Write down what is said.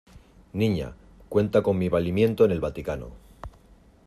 niña, cuenta con mi valimiento en el Vaticano.